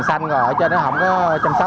sanh rồi ở trên nó không có chăm sóc